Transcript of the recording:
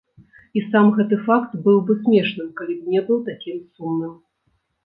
І сам гэты факт быў бы смешным, калі б не быў такім сумным.